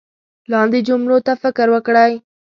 لاندې جملو ته فکر وکړئ